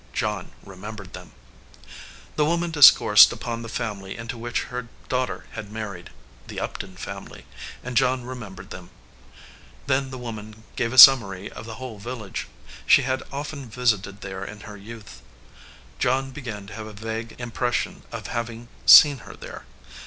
John remembered them. The woman discoursed upon the family into which her daughter had married, the Upton family, 293 EDGEWATER PEOPLE and John remembered them. Then the woman gave a summary of the whole village. She had often visited there in her youth. John began to have a vague impression of having seen her there.